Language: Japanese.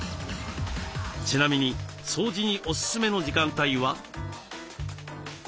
ちなみに掃除にオススメの時間帯は？